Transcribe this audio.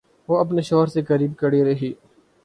وہ اپنے شوہر سے قریب کھڑی رہی